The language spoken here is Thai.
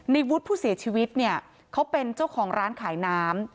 ในวุฒิผู้เสียชีวิตเนี่ยเขาเป็นเจ้าของร้านขายน้ำ